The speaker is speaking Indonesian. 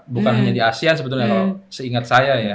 bukan hanya di asean sebetulnya kalau seingat saya ya